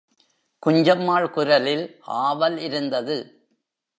குஞ்சம்மாள் குரலில் ஆவல் இருந்தது.